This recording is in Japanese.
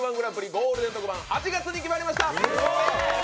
ゴールデン特番、８月に決まりました。